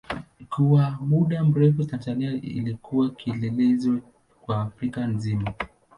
Kwa muda mrefu Tanzania ilikuwa kielelezo kwa Afrika nzima.